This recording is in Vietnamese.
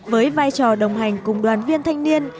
với vai trò đồng hành cùng đoàn viên thanh niên